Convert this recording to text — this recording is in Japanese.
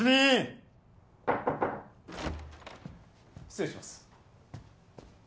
失礼します。